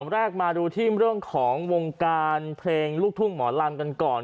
แรกมาดูที่เรื่องของวงการเพลงลูกทุ่งหมอลำกันก่อน